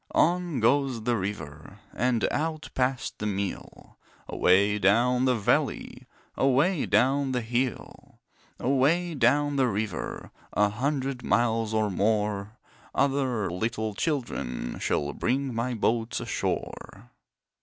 On goes the river And out past the mill, Away down the valley, Away down the hill. Away down the river, A hundred miles or more, Other little children Shall bring my boats ashore.